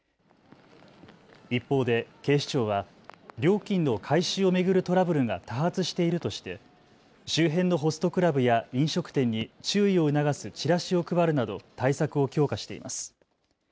一方で警視庁は料金の回収を巡るトラブルが多発しているとして周辺のホストクラブや飲食店に注意を促すチラシを配るなど対策を強化しています。